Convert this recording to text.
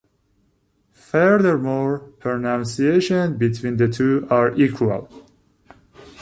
Furthermore, pronunciation between the two are equal.